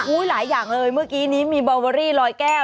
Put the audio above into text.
หลายอย่างเลยเมื่อกี้นี้มีบอเวอรี่ลอยแก้ว